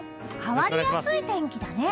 変わりやすい天気だね！